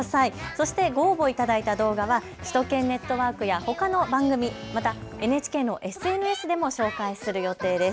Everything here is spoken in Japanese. そしてご応募いただいた動画は首都圏ネットワークやほかの番組、またＮＨＫのＳＮＳでも紹介する予定です。